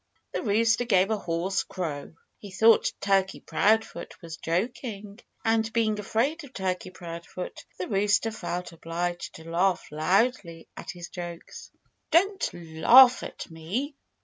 The rooster gave a hoarse crow. He thought Turkey Proudfoot was joking. And being afraid of Turkey Proudfoot, the rooster felt obliged to laugh loudly at his jokes. "Don't laugh at me!"